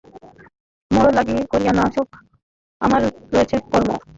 মোর লাগি করিয়ো না শোক, আমার রয়েছে কর্ম, আমার রয়েছে বিশ্বলোক।